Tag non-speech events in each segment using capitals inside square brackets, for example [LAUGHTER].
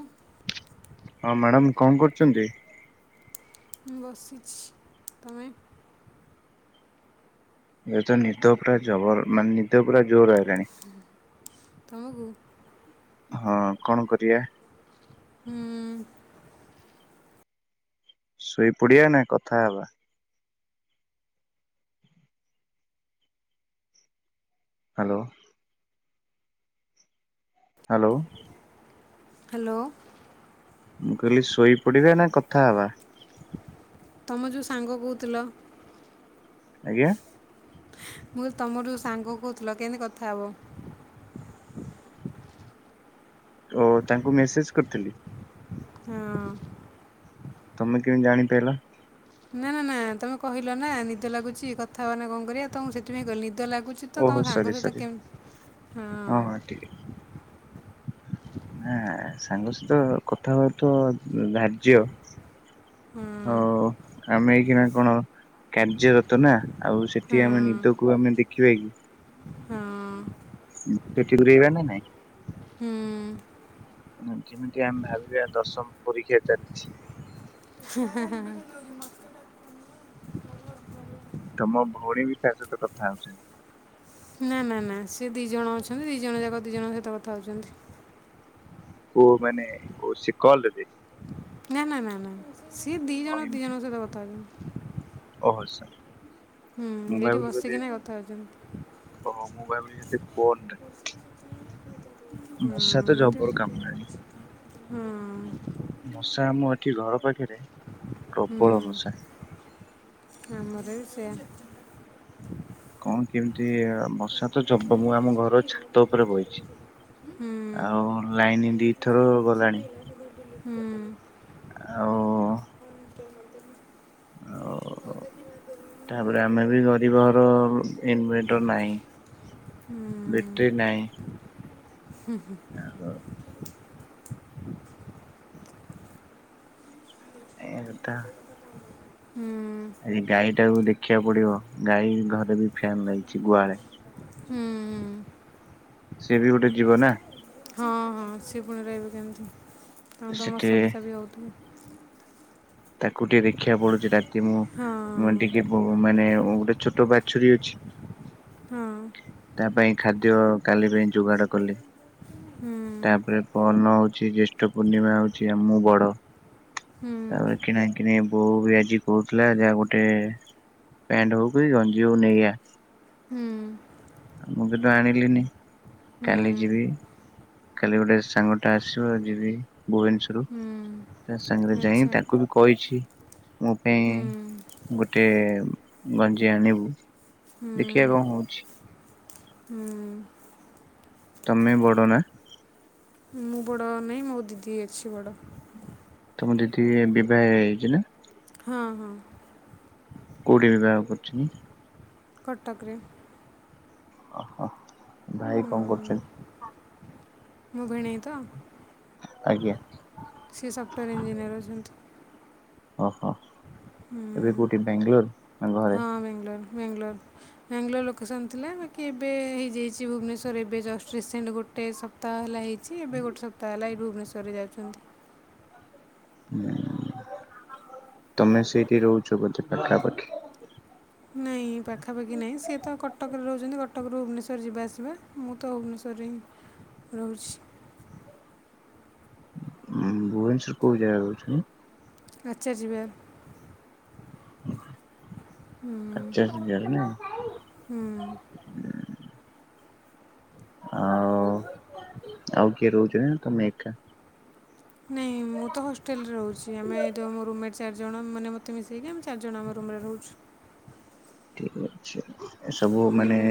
ଉଁ ହଁ ମ୍ୟାଡ଼ାମ କଅଁ କରୁଚ଼ନ୍ତି। ବସିଛି ତମେ? ଇଏ ତ ନିଦ ପୁରା ଜବର ମାନେ ନିଦ ପୁରା ଜୋର ହେଲାଣି। ତମକୁ। ହଁ କଣ କରିଆ ଶୋଇ ପଡିଆ ନା କଥା ହବା ହ୍ୟାଲୋ ହ୍ୟାଲୋ। ହ୍ୟାଲୋ। ମୁଁ କଇଲି ଶୋଇପଡିବେ ନା କଥା ହବା ତମ ଯୋଉ ସାଙ୍ଗ କହୁଥିଲ ଆଜ୍ଞା। ମୁଁ କହିଲି ତମର ଯୋଉ ସାଙ୍ଗ କହୁଥିଲ କେମିତି କଥା ହବ ଓ ତାଙ୍କୁ ମେସେଜ କରିଥିଲି ହୁଁ ତମେ କେମିତି ଜାଣିପାରିଲ। ନା ନା ନା ତମେ କହିଲ ନା ନିଦ ଲାଗୁଛି କଥାବାର୍ତ୍ନା କଣ କରିବା ତମକୁ ସେଥିପାଇଁ କହ ନିଦ ଲାଗୁଚ ତ ଓହୋ ତମ ସରି ସାଙ୍ଗ ସହିତ ସରି କେମତି ହଁ ହଁ ସାଙ୍ଗସହିତ କଥା ହବା ତ ଧାର୍ଯ୍ୟ ହଁ ହଉ ଆମେ ଏଇକନା କଣ କାର୍ଯ୍ୟରତ ନା ଆଉ ସେଠି ହଁ ଆମେ ନିଦକୁ ଆମେ ଦେଖିବା କି ହଁ ସେଠିକ ଗୁରେଇବା ନ ନାଇଁ ହୁଁ ଯେମିତି ଆମେ ଭାବିବା ଦଶମ ପରୀକ୍ଷା ଚାଲିଛି [UNINTELLIGIBLE] ତମ ଭଉଣୀ ବି ତା ସହିତ କଥା ହଉଛନ୍ତି ନା ନା ନା ସେ ଦି ଜଣ ଅଛନ୍ତି ଦି ଜଣ ଯାକ ଦି ଜଣଙ୍କ ସହିତ କଥା ହଉଛନ୍ତି କ ମାନେ ସେ କଲରେ ନା ନା ନା ନାଁ ସିଏ ଦି ଜଣ ଦି ଜଣଙ୍କ ସହିତ କଥା ହଉଛନ୍ତି ଅ ସାର୍ ହୁଁ ମୁଁ ଏଇଠି ଭାବିଲି ବୋଧେ ବସିକିନା କଥା ହେଉଛନ୍ତି ଓ ମୁଁ ଭାବିଲି ଯଦି ଫୋନ ରେ ତ ହଁ ଜବର କାମୁଡିଲାଣି ଏଠି ହଁ ମଶା ଆମ ଏଠି ଘର ପାଖରେ ପ୍ରବଳ ହୁଁ ମଶା ଆମର ବି ସେୟା କ୍ୟାଣ୍ଡି କଣ କେମିତି ମଶା ତ ଜବର ମୁଁ ଆମ ଘର ଛାତ ଉପରେ ବଇଛି ହୁଁ। ଆଉ ଲାଇନ ଦିଥର ଗଲାଣି। ହୁଁ ଆଉ। ଆଉ ହଉ। ତାପରେ ଆମେ ବି ଗରିବ ଘର ଇନଭେଟର ନାହିଁ। ବ୍ୟାଟେ୍ରୀ ନାହିଁ। ହୁଁ ହୁଁ ଏଟା। ଏ ଗାଈ ଟାକୁ ଦେଖିବାକୁ ପଡିବ ଗାଈ ଘରେ ବି ଫ୍ୟନ୍ ଲାଗିଛି ଗୁହାଳେ। ହୁଁ ସି ବି ଗୋଟେ ଜୀବ ନା। ହଁ ହଁ ସିଏ ପୁଣି ରହିବେ କେମିତି ତାଙ୍କ ତ ସେଠି ମଶା ଫସା ବି ହେଉଥିବ। ତାକୁ ଟିକେ ଦେଖିବାକୁ ପଡୁଛି ରାତି ହଁ ମୁଁ ଟିକେ। ମାନେ ଗୋଟେ ଛୋଟ ବାଛୁରୀ ଅଛି ହଁ ତା ପାଇଁ ଖାଦ୍ୟ କାଲି ପାଇଁ ଯୋଗାଡ଼ କଲେ। ହୁଁ ତାପରେ ପରନ ହଉଛି ଜ୍ୟେଷ୍ଠ ପୂର୍ଣ୍ଣିମା ହଉଛି ଆମୁ ବଡ଼। ହୁଁ ତାପରେ କିଣାକିଣି ବୋଉ ବି ଆଜି କହୁଥିଲା ଯାହା ଗୋଟେ ପେଣ୍ଟ ହଉ କି ଗଞ୍ଜି ହଉ ନେଇଆ। ହୁଁ ମୁଁ ବି ତୁ ଆଣିଲିନି ହୁଁ କାଲି ଯିବି। କାଲି ଗୋଟେ ସାଙ୍ଗ ଟା ଆସିବ ଯିବି ଭୁବନେଶ୍ଵର ହୁଁ ତା ସାଙ୍ଗରେ ଯାଇ ଆଚ୍ଛା ତାକୁ କହିଛି ମୋ ପାଇଁ ହୁଁ ଗୋଟେ ଗଞ୍ଜି ଆଣିବୁ। ହୁଁ ଦେଖିବା କଣ ହଉଛି। ହୁଁ ତମେ ବଡ଼ନା? ମୁଁ ବଡ଼ ନାହିଁ ମୋ ଦିଦି ଅଛି ବଡ଼। ତମ ଦିଦି ବିବାହ ହେଇଯାଇଛି ନା? ହଁ ହଁ। କଉଠି ବିବାହ କରୁଛିନି? କଟକରେ। ଓହୋ ଭାଇ ହଁ କଣ କରୁଛନ୍ତି? ମୋ ଭିଣୀ ତ। ଆଜ୍ଞା। ସି ସଫ୍ଟେୟାର୍ ଇଞ୍ଜିନିୟର ଅଛନ୍ତି। ଓହୋ ହଁ ଏବେ କେଉଠି ବାଙ୍ଗାଲୋର ନା ଘରେ। ବେଂଲୋର୍ ବେଂଲୋର ବାଙ୍ଗଲୋର ଲୋକେସନ୍ ଥିଲା କି ଏବେ ହେଯାଇ ଚି ଭୁବନେଶ୍ୱର ଏବେ ଜଷ୍ଟ ରସେଣ୍ଟ ଗୋଟେ ସପ୍ତାହ ହେଲା ହେଇଛି ଏବେ ଗୋଟେ ତାହେଲା ହିଁ ଭୁବନେଶ୍ୱରରେ ଯାଉଛନ୍ତି। ହଁ ତମେ ସେଇଠି ରହୁଛ ବୋଧେ ପାଖାପାଖି। ନାହିଁ ପାଖାପାଖି ନାହିଁ ସିଏ ତ କଟକରେ ରହୁଛନ୍ତି କଟକରୁ ଭୁବନେଶ୍ୱର ଯିବା ଆସିବା ମୁଁ ତ ଭୁବନେଶ୍ୱରରେ ହିଁ ରହୁଛି। ଉଁ ଭୁବନେଶ୍ଵର କୋଉ ଜାଗା ର ଅଛନ୍ତି? ଆଚଛା ଯିବେ। ଆଚା ହୁଁ ହଜାର ନା। ହୁଁ ଆଉ [INAUDIBLE] ଆଉ କିଏ ରହୁଛି ନା ତମେ ଏକା? ନାଇଁ ମୁଁ ତ ହଷ୍ଟେଲରେ ରହୁଛି ଆମେ ଯ ରୁମେଟ୍ ଚାରି ଜଣ ମାନେ ମୋତେ ମିଶେଇକି ଆମେ ଚାରିଜଣ ଆମେ ରୁମ୍ ରେ ରହୁଛୁ। ଠିକ ଅଛି ଏ ସବୁ ମାନେ ହୁଁ,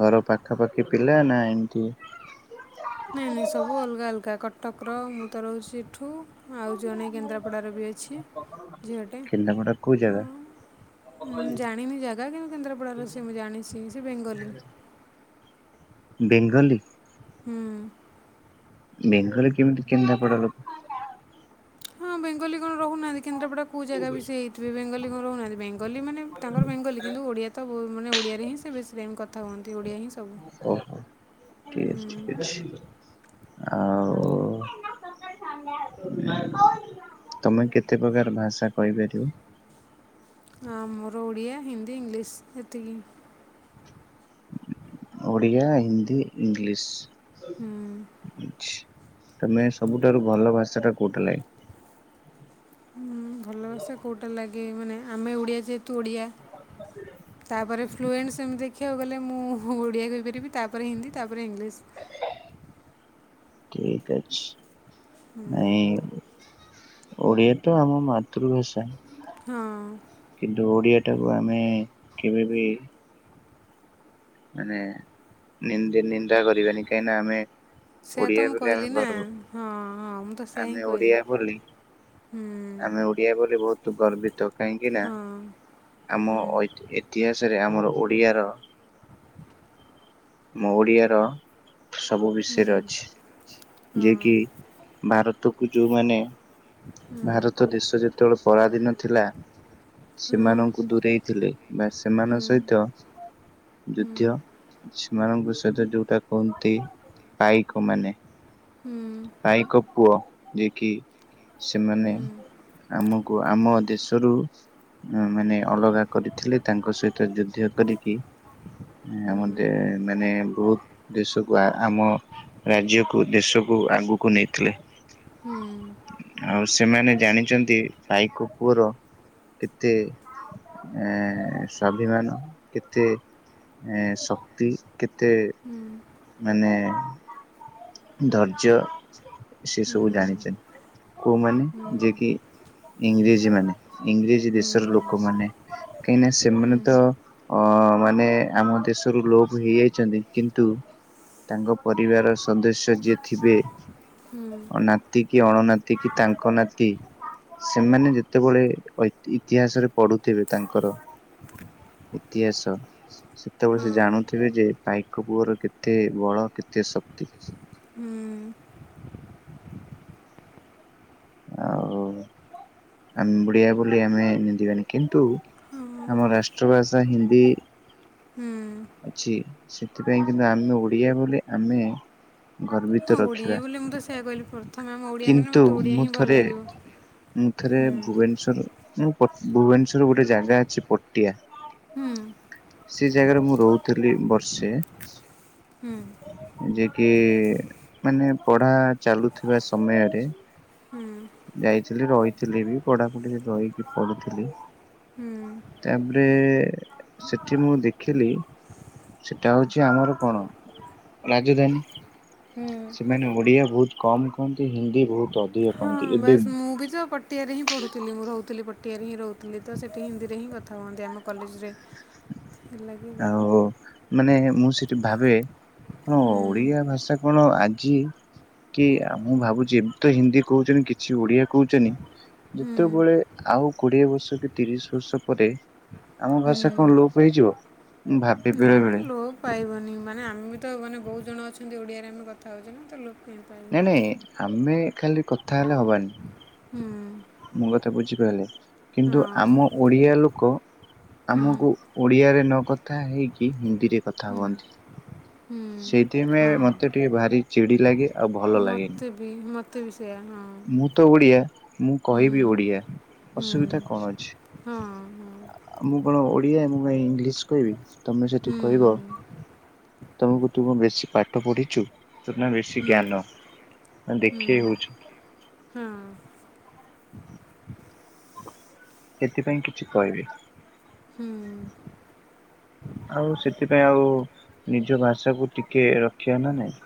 ଘର ପାଖାପାଖି ପିଲା ନା ଏମିତି। ନାଇଁ ନାଇଁ ସବୁ ଅଲଗା ଅଲଗା କଟକର ମୁଁ ତ ରହୁଛି ଏଠୁ। ଆଉ ଜଣେ କେନ୍ଦ୍ରାପଡ଼ାର ବି ଅଛି ଝିଅଟେ କେନ୍ଦ୍ରାପଡା କୋଉ ଜାଗା ହଁ। ଉଁ ଜାଣିନି ଜାଗା କିନ୍ତୁ କେନ୍ଦ୍ରାପଡାର ସେ ମୁଁ ଜାଣିଛି ସେ ବେଙ୍ଗଲି। ବେଙ୍ଗଲି ହୁଁ। ବେଙ୍ଗଲି କେମତି କେନ୍ଦ୍ରାପଡା ଲୋ ହଁ ବେଙ୍ଗଲି କଣ ରହୁନାହାଁନ୍ତି କେନ୍ଦ୍ରାପଡା କୋଉ ଜାଗା ବି ସେ ହେଇଥିବେ ବେଙ୍ଗଲି କଣ ରହୁନାହାଁନ୍ତି ବେଙ୍ଗଲି ମାନେ ତାଙ୍କର ବେଙ୍ଗଲି କିନ୍ତୁ ଓଡ଼ିଆ ତ ମାନେ ଓଡିଆରେ ହିଁ ସେ ବେଶୀ ଟାଇମ କଥା ହୁଅନ୍ତି ଓଡିଆ ହିଁ ସବୁ ଓ ହୋ ଠିକ୍ ହୁଁ ଅଛି। ଆଉ ତମେ କେତେପ୍ରକାର ଭାଷା କହିପାରିବ? ଆମର ଓଡିଆ, ହିନ୍ଦୀ, ଇଂଲିଶ ଏତିକି। ଓଡ଼ିଆ, ହିନ୍ଦୀ, ଇଂଲିଶ। ହୁଁ। ଛି ତମେ ସବୁଠାରୁ ଭଲ ଭାଷାଟା କୋଉଟା ଲାଗେ? ଉଁ ଭଲ ଭାଷା କୋଉଟା ଲାଗେ ମାନେ ଆମେ ଓଡିଆ ଯେହେ ତୁ ଓଡିଆ ତାପରେ ଫ୍ଲୁଏଣ୍ଟ ସେମ ଦେ ଖିବାକୁ ଗଲେ ମୁଁ ଓଡିଆ କହିପାରିବି ତାପରେ ହିନ୍ଦୀ ତାପରେ ଇଂଲିଶ। ଠିକ୍ ଅଛି ହୁଁ, ନାଇଁ ଓଡିଆ ତ ଆମ ମାତୃଭାଷା। ହଁ କିନ୍ତୁ ଓଡିଆଟାକୁ ଆମେ କେବେ ବି ମାନେ ନିନ୍ଦି ନିନ୍ଦା କରିବାନି କାହିଁକି ନା ଆମେ ସେୟା ତ ଓଡିଆ ମୁଁ ବୋଲି ଆମେ କହିଲି ନା ଗର୍ବ ହଁ ହଁ ମୁଁ ତ ସେୟା ହିଁ ଆମେ କହିଲି ଓଡିଆ ବୋଲି ହୁଁ ଆମେ ଓଡିଆ ବୋଲି ବହୁତ ଗର୍ବିତ କାହିଁକି ନା ହଁ ଆମ ହୁଁ ଐ ଇତିହାସରେ ଆମର ଓଡିଆର ମ ଓଡିଆର ସବୁ ହୁଁ ହଁ ହୁଁ ବିଷୟରେ ଅଛି। ହଁ ଯିଏ କି ଭାରତକୁୁ ଯୋଉମାନେ ହୁଁ ହୁଁ ଭାରତ ଦେଶ ଯେତବେଳେ ପରାଧୀନ ଥିଲା ହୁଁ ହୁଁ ସେମାନଙ୍କୁ ଦୂରେଇ ଥିଲେ ବା ହୁଁ ସେମାନ ସହିତ ଯୁଦ୍ଧ ସେମାନଙ୍କ ସହିତ ଯୋଉଟା କୁନ୍ତି ପାଇକମାନେ ପାଇକ ପୁଅ ଯିଏ କିି ସେମାନେ ଆମକୁ ଆମ ଦେଶରୁ ଉଁ ମାନେ ଅଲଗା କରିଥିଲେ ତାଙ୍କ ସହିତ ଯୁଦ୍ଧ କରିକି ଆମ ଦେ ମାନେ ବହୁତ ଦେଶକୁୁ ଆମ ରାଜ୍ୟକୁ ଦେଶକୁ ଆଗୁକୁ ନେଇଥିଲେ। ଆଉ ସେମାନେ ଜାଣିଚନ୍ତି ପାଇକପୁଅର କେତେ ଏଁ ସ୍ୱାଭିମାନ କେତେ ଏ ଶକ୍ତି କେତେ ମାନେ ଧୈର୍ଯ୍ୟ ସେ ହୁଁ ସବୁ ଜାଣିଚନ୍ତି। କୋଉମାନେ ଯିଏ କି ଇଂରେଜମାନେ ଇଂରେଜ ହୁଁ ଦେଶର ଲୋକମାନେ କାହିଁକି ନା ସେମାନେ ହୁଁ ତ ଅ ମାନେ ଆମ ଦେଶରୁ ଲୋପ ହେଇଯାଇଚନ୍ତି କିନ୍ତୁ ତାଙ୍କ ପରିବାର ସଦସ୍ୟ ଯିଏ ଥିବେ ନାତି କି ଅଣନାତି କି ତାଙ୍କ ନାତି ସେମାନେ ଯେତବଳେ ଐ ଇତିହାସରେ ପଢୁଥିବେ ତାଙ୍କର ଇତିହାସ ସେତବେଳେ ହଁ ସେ ଜାଣୁଥିବେ ଯେ ପାଇକପୁଅର କେତେ ବଳ କେତେ ଶକ୍ତି। ହୁଁ। ଆଉ ଆମ ଭଳିଆ ବୋଲି ଆମେ ନିନ୍ଦିବାନି କିନ୍ତୁ ହଁ ଆମ ରାଷ୍ଟ୍ର ଭାଷା ହିନ୍ଦୀ। ହୁଁ ଅଛି ସେଥିପାଇଁ କିନ୍ତୁ ଆମେ ଓଡିଆ ବୋଲି ଆମେ ଗର୍ବିତ ହଁ ଓଡ଼ିଆ ରଖିବା। ବୋଲି ମୁଁ ତ ସେୟା କହିଲି ପ୍ରଥମେ ଆମ ଓଡ଼ିଆ ମାନେ କିନ୍ତୁ ମୋତେ ଓଡ଼ିଆ ମୁଁ ହିଁ ଭଲ ଥରେ ଲାଗିବ। ମୁଁ ଥରେ ହୁଁ ଭୁବନେଶ୍ଵର ରେ ମୁଁ ଭୁବନେଶ୍ଵର ଗୋଟେ ଜାଗା ଅଛି ପଟିଆ। ହୁଁ ସେ ଜାଗାରେ ମୁଁ ରହୁଥିଲି ବର୍ଷେ। ହୁଁ ଯେ କି ମାନେ ପଢା ଚାଲୁଥିବା ସମୟରେ। ହୁଁ। ଯାଇଥିଲି ରହିଥିଲି ବି ପଢାପୁଢିରେ ରହିକି ପଢୁଥିଲି। ହୁଁ। ତାପରେ ସେଠି ମୁଁ ଦେଖିଲି। ସେଟା ହଉଚି ଆମର କଣ ରାଜଧାନୀ? ହୁଁ ସେମାନେ ଓଡିଆ ବହୁତ କମ କୁହନ୍ତି ହିନ୍ଦୀ ବହୁତ ଅଧିକ ହଁ କହନ୍ତି ଏବେ ବାସ୍ ମୁଁ ବି ତ ପ ଟିଆରେ ହିଁ ପଢ଼ୁଥିଲି ମୁଁ ରହୁଥୁଲି ପଟିଆରେ ହିଁ ରହୁଥୁଲି ତ ସେଇଠି ହିନ୍ଦୀରେ ହିଁ କଥା ହୁଅନ୍ତି ଆମ କଲେଜରେ। ହେଲା କି କଣ ଆଉ ମାନେ ମୁଁ ସେଠି ଭାବେ ମୋ ହୁଁ ଓଡିଆ ଭାଷା କଣ ଆଜି କି ମୁଁ ଭାବୁଚି ଏମିତି ତ ହିନ୍ଦୀ କହୁଛନ୍ତି କିଛି ଓଡିଆ କହୁଛନ୍ତି। ହୁଁ ଯେତବେଳେ ଆଉ କୋଡିଏ ବର୍ଷ କି ତିରିଶ ବର୍ଷ ପରେ ଆମ ହୁଁ ଭାଷା କଣ ଲୋପ ହେଇଯିବ ମୁଁ ଭାବେ ନା ବେଳେବେଳେ। ଲୋପ ପାଇବନି ମାନେ ଆମେ ବି ତ ମାନେ ବହୁତ ଜଣ ଅଛନ୍ତି ଓଡ଼ିଆରେ ଆମେ କଥା ହେଉଛେ ନା ତ ଲୋ ନାଇଁ ନାଇଁ ଆମେ ଖାଲି କଥା ହେଲେ ହବାନି। ହୁଁ। ମୋ କଥା ବୁଝିପାଇଲେ କିନ୍ତୁ ଆମ ହଁ। ଓଡିଆ ଲୋକ ହୁଁ ଆମୁକୁ ଓଡ଼ିଆରେ ନକଥା ହେଇକି ହିନ୍ଦୀରେ କଥା ହୁଁ ହୁଅନ୍ତି। ହୁଁ ସେଇଥିପାଇ ମତେ ଟିକେ ଭାରି ଚିଡି ଲାଗେ। ଆଉ ଭଲ ଲାଗେନି। ମତେ ବି ମତେ ବି ସେଇୟା ହଁ। ମୁଁ ତ ଓଡ଼ିଆ ମୁଁ ହୁଁ କହିବି ଓଡ଼ିଆ ହୁଁ ଅସୁବିଧା କଣ ଅଛି? ହଁ ହଁ। ଆଉ ମୁଁ କଣ ଓଡିଆ ମୁଁ ଇଂଲିଶ କହିବି ତମେ ସେଠି ହୁଁ ହୁଁ କହିବ ତମେ କୋଉଥିବ ବେଶୀ ପାଠ ପଢିଚୁ ତୋରନା ବେଶୀ ହୁଁ ଜ୍ଞାନ। ନା ହୁଁ ଦେଖେଇ ହଉଛୁ। ହଁ ସେଥିପାଇଁ କିଛି କହିବେ। ହୁଁ ହୁଁ ଆଉ ସେଥିପାଇଁ ଆଉ ନିଜ ଭାଷାକୁ ଟିକେ ରଖିବା ନା ନାଇଁ।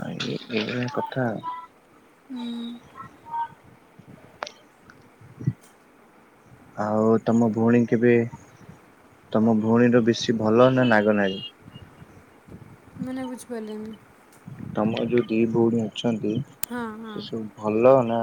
ଆଉ ଏଇ ଭଳିଆ କଥା। ହୁଁ ଆଉ ତମ ଭଉଣୀ କେବେ ତମ ଭଉଣୀର ବେଶୀ ଭଲ ନା ନାଗ ନାଡ଼ି। ମାନେ ବୁଝି ପାରିଲିନି। ତମର ଯୋଉ ଦି ଭଉଣୀ ଅଛନ୍ତି ହଁ ହଁ ସେସବୁ ଭଲ ନା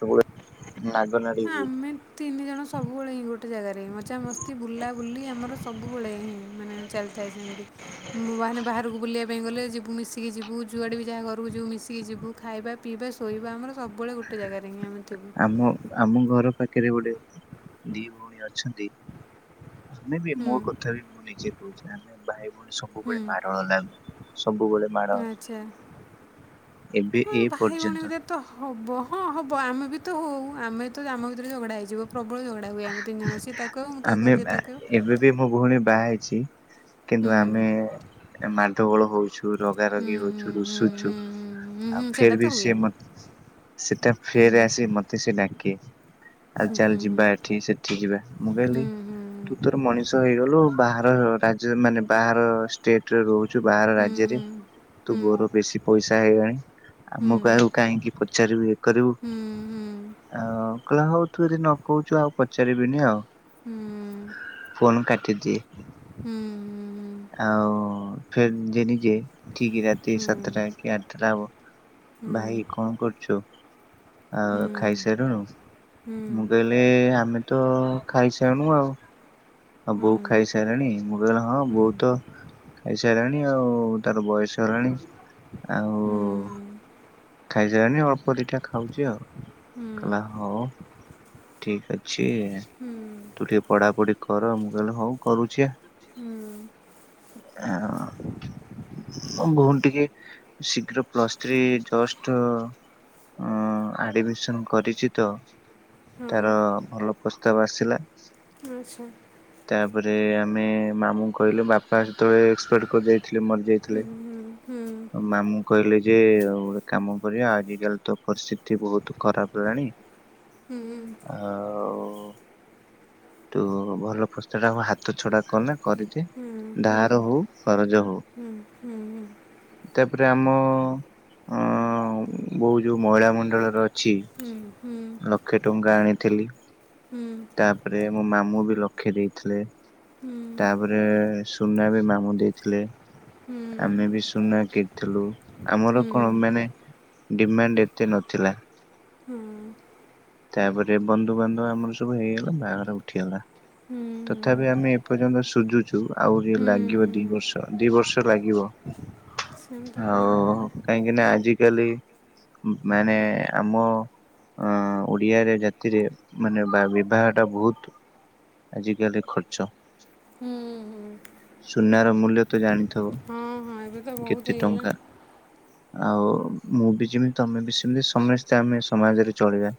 ସବୁବେଳେ ନା ହଁ ଆମେ ତିନି ଜଣ ସବୁବେଳେ ହିଁ ଗୋଟେ ଜାଗାରେ ମଜାମସ୍ତି ବୁଲାବୁଲି ଆମର ସବୁବେଳେହିଁ ମାନେ ଚାଲେ ସାଇଜ୍ ଏମିତି [UNINTELLIGIBLE] ମୁଁ ବିହାରିନେ ବାହାରକୁ ବୁଲିବା ପାଇଁ ଗଲେ ଯିବୁ ମିଶିକି ଯିବୁ ଯୁଆଡ଼େବି ଯାହା ଘରକୁ ଯିବୁ ମିଶିକି ଯିବୁ। ଖାଇବା, ପିଇବା, ଶୋଇବା ଆମର ସବୁବେଳେ ଗୋଟେ ଜାଗାରେ ହିଁ ଆମେ ଥିବୁ ଆମ ଆମ ଘର ପାଖରେ ଗୋଟେ ଦି ଭଉଣୀ ଅଛନ୍ତି। ଆମେବି ହୁଁ ମୋ କଥାବି ମୁଁ ନିଜେ କହୁଚି ଆମେ ଭାଇ ଭଉଣୀ ହୁଁ ସବୁବେଳେ ମାଡ଼ଗୋଳ ଲାଗୁ ସବୁବେଳେ। ମାଡ ଆଚ୍ଛା ଏବେ ହଁ ଏ ଭାଇ ଭଉଣୀ ପର୍ଯ୍ୟନ୍ତ ଭିତରେ ତ ହବ ହଁ ହବ ଆମେବି ତ ହଉ ଆମେତ ଆମ ଭିତରେ ଝଗଡା ହେଇଯିବ ପ୍ରବଳ ଝଗ ଡ଼ା ହୁଏ ଆମେ ତିନ ଜଣ ସିଏ ତାକୁ କହିବ ମୁତାକୁ କହିବି ସିଏ ତାକୁ ଦି ମୋ ଭଉଣୀ ବାହା ହେଇଚି କିନ୍ତୁ ହୁଁ ଆମେ ଏ ମାଢଗୋଳ ହଉଛୁ ହୁଁ ରଗାରଗୀ ହଉଛୁ ହୁଁ ରୁଷୁଛୁ ହୁଁ ହୁଁ ହୁଁ ଆଉ ହୁଁ ସେଇଟା ଫେର୍ ତ ବି ସିଏ ହୁଏ ମତେ ସେଟା ଫେରେ ଆସି ମତେସେ ଡାକି ଆଉ ଚାଲ ଯିବା ଏଠି ସେଠି ଯିବା ମୁଁ କହିଲି ତୁ ତୋର ମଣିଷ ହେଇଗଲୁ ବାହାର ରାଜ୍ୟ ମାନେ ବାହାର ଷ୍ଟେଟରେ ରହୁ ଚୁ ବାହାର ରାଜ୍ୟରେ ତୁ ବୋର ବେଶୀ ପଇସା ହେଇଗଲାଣି ଆମକୁ ଆଉ କାହିଁକି ପଚାରିବୁ ଇଏ କରିବୁ ଆଉ କହିଲା ହୋଉ ତୁଯଦି ନକହୁଛୁ ଆଉ ପଚାରିବିନି ଆଉ ଫୋନ୍ କାଟିଦିଏ। [INAUDIBLE] ଆଉ ଫେରେ ନିଜେ ନିଜେ ଠିକ୍ ରାତି ସାତଟାକି ଆଠଟା ହବ ଭାଇ କଣ କରୁଚୁ? ଆଉ ଖାଇସାରିଲୁଣୁ ମୁଁ କହିଲି ଆପ ଆମେତ ଖାଇସାରିନୁ ଆଉ ଆଉ ବୋଉ ଖାଇସାରିଲାଣି ମୁଁ କହିଲି ହଁ ବହୁତ ଖାଇ ସାରିଲାଣି ଆଉ ତାର ବୟସ ହେଲାଣି ହୁଁ। ଖାଇସାରିଲାନି ଅଳ୍ପ ଦିଟା ଖାଉଚି ଆଉ କହିଲା ହଁ। ଠିକ୍ ଅଛି ତୁ ଟିକେ ପଢାପଢି କର ମୁଁ କହିଲି ହଉ କରୁଚିପା। ହଁ। ମୋ ଭଉଣୀ ଟିକେ ଶୀଘ୍ର ପ୍ଲସ୍ ଥ୍ରୀ ଜଷ୍ଟ ଅଁ ଆଡ଼ମିଶନ୍ କରିଚିତ ତାର ଭଲ ପ୍ରସ୍ତାବ ଆସିଲା ଆଚ୍ଛା। ତାପରେ ଆମେ ମାମୁ କହିଲୁ ବାପା ସେତେବେଳେ ଏକ୍ସପର୍ଟ କରି ଯାଇଥିଲେ ମରିଯାଇଥିଲେ। ହୁଁ। ମାମୁଁ କହିଲେ ଯେ ଆଉ ଗୋଟେ କାମ କରିବା ଆଜିିକାଲି ତ ପରିସ୍ଥିତି ବହୁତ ଖରାପ ହେଲାଣ। ହୁଁ ହୁଁ। ଆ ତୁ ଭଲ ପ୍ରସ୍ତାବ ଟା ହାତ ଛଡା କନା କରିଦେ। ଧାର ହୋଉ କରଜ ହୋଉ ତାପରେ ଆମ ଅ ବୋଉ ଯୋଉ ମହିଳା ମଣ୍ଡଳରେ ଅଛି ହୁଁ ହୁଁ। ଲକ୍ଷେ ଟଙ୍କା ଆଣିଥିଲି। ତାପରେ ମୋ ମାମୁଁ ବି ଲକ୍ଷେ ଦେଇଥିଲେ। ତାପରେ ସୁନା ବି ମାମୁଁ ଦେଇଥିଲେ। ଆମେ ବି ସୁନା କିଣିଥିଲୁ ଆମର କଣ ମାନେ ଡିମାଣ୍ଡ୍ ଏତେ ନଥିଲା। ତାପରେ ବନ୍ଧୁବାନ୍ଧବ ଆମର ସବୁ ହେଇଗଲା ବାହାଘର ଉଠିଗଲା। ତଥାପି ଆମେ ଏପର୍ଯ୍ୟନ୍ତ ସୁଝୁଛୁ ଆହୁରି ଲାଗିବ ଦି ବର୍ଷ ଦି ବର୍ଷ ଲାଗିବ। ଆଉ କାହିଁକି ନା ଆଜିକାଲି ମାନେ ଆମ ଅ ଓଡିଆରେ ଜାତିରେ ମାନେ ବିବାହ ଟା ବୋହୁତ୍ ଆଜିକାଲି ଖର୍ଚ୍ଚ ସୁନାର ମୂଲ୍ୟ ତ ଜାଣି ହଁ ହଁ ଏବେ ତ ବୋହୁତ୍ ହେଇଗଲାଣି। ଆଉ ମୁଁ ବି ଯେମି ତମେ ବି ସେମିତି ସମସ୍ତେ ଆମେ ସମାଜରେ ଚଳିବା।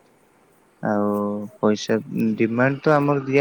ଆଉ ପଇସା ଡିମାଣ୍ଡ୍ ତ ଆମର ଦିଆ